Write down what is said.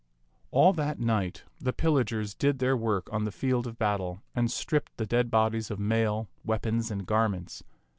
All that night the pillagers did their work on the field of battle, and stripped the dead bodies of mail, weapons, and garments.